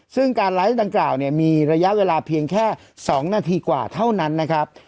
ซึ่งการไลฟ์ดังกล่าวเนี่ยมีระยะเวลาเพียงแค่๒นาทีกว่าเท่านั้นนะครับ